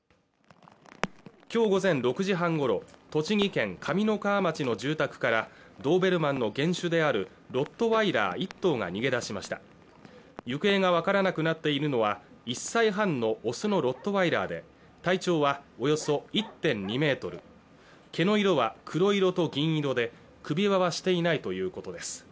今日午前６時半ごろ栃木県上三川町の住宅からドーベルマンの原種であるロットワイラー１頭が逃げ出しました行方がわからなくなっているのは１歳半の雄のロットワイラーで体長はおよそ１．２ｍ毛の色は黒色と金色で首輪はしていないということです